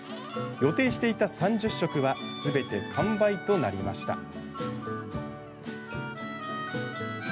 予定していた３０食はすべて完売となりました。